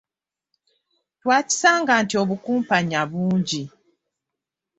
Twakisanga nti obukumpanya bungi.